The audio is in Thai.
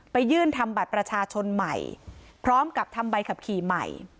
ไปยื่นทำบัตรประชาชนใหม่พร้อมกับทำใบขับขี่ใหม่